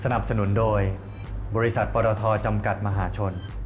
สนับสนุนโดยบริษัทปรทจำกัดมหาชน